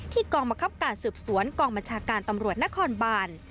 ที่กองมะครับการสืบสวนกองมัชการตำรวจนครบาล